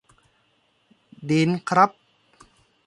ดีลครับ